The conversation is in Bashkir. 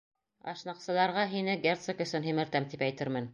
Ашнаҡсыларға һине герцог өсөн һимертәм тип әйтермен.